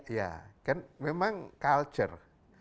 ya kan memang culture